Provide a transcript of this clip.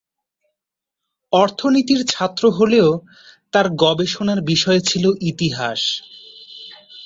অর্থনীতির ছাত্র হলেও তার গবেষণার বিষয় ছিল ইতিহাস।